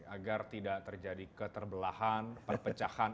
agar tidak terjadi keterbelahan perpecahan